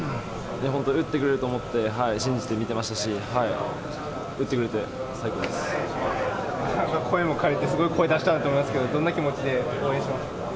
本当に打ってくれると思って信じて見てましたし、打ってくれ声もかれて、すごい声出したと思いますけど、どんな気持ちで応援してましたか。